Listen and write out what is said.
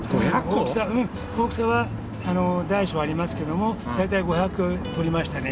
大きさは大小ありますけども大体５００個とりましたね。